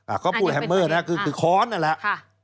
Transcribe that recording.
อ่ะเขาพูดแฮมเมอร์นะคือค้อนนั่นแหละ